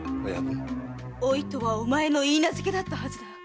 お糸はお前の許嫁だったはずだ。